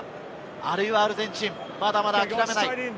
あるいはアルゼンチン、まだまだ諦めない。